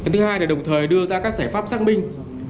thứ hai là đồng thời đưa ra các giải pháp xác minh